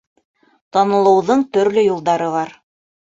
Танылыуҙың төрлө юлдары бар.